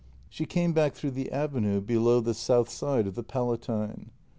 She came back through the avenue below the south side of the Palatine.